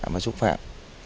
và xúc phạm